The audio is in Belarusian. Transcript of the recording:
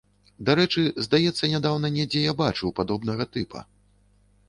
Дарэчы, здаецца, нядаўна недзе я бачыў падобнага тыпа.